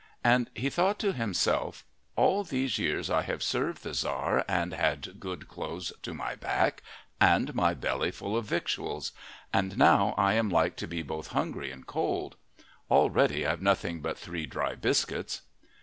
And he thought to himself: All these years I have served the Tzar and had good clothes to my back and my belly full of victuals. And now I am like to be both hungry and cold. Already I've nothing but three dry biscuits.